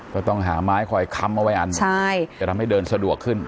ก็ต้องหาไม้คอยค้ำเอาไว้อันจะทำให้เดินสะดวกขึ้น